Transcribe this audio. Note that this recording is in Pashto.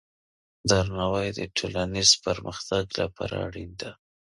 درناوی د ټولنیز پرمختګ لپاره اړین دی.